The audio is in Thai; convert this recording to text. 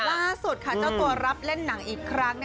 ล่าสุดค่ะเจ้าตัวรับเล่นหนังอีกครั้ง